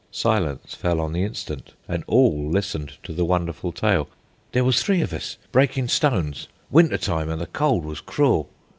Silence fell on the instant, and all listened to the wonderful tale. "There was three of us breakin' stones. Winter time, an' the cold was cruel.